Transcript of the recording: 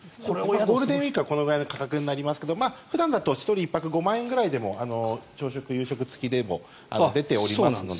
ゴールデンウィークはこれくらいの価格になりますが普段ですと１人１泊５万円くらいでも朝食・夕食付きでも出ておりますので。